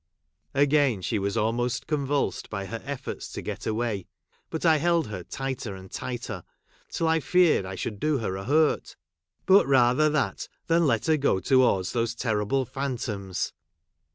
Again she was almost convulsed by her efforts to get away ; but I held her tighter and tightei', till I feared I should do her a hurt ; but rather that than let her go towiu ds those terrible phantoms.